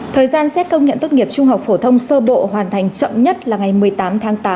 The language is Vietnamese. thời gian xét công nhận tốt nghiệp trung học phổ thông sơ bộ hoàn thành chậm nhất là ngày một mươi tám tháng tám